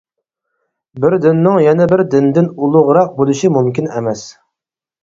بىر دىننىڭ يەنە بىر دىندىن ئۇلۇغراق بولۇشى مۇمكىن ئەمەس.